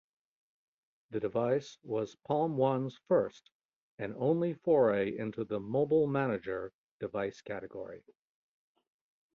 The device was PalmOne's first and only foray into the "Mobile Manager" device category.